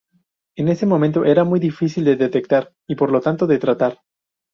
En ese momento, era muy difícil de detectar y, por lo tanto, de tratar.